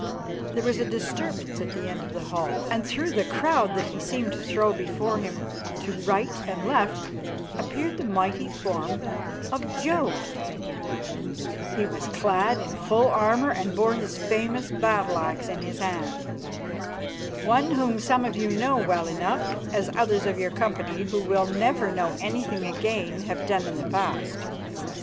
There was a disturbance at the end of the hall, and through the crowd that he seemed to throw before him to right and left appeared the mighty form of Jodd. He was clad in full armour and bore his famous battle axe in his hand. "One whom some of you know well enough, as others of your company who will never know anything again have done in the past.